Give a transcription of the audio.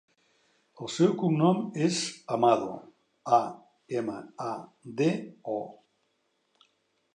El seu cognom és Amado: a, ema, a, de, o.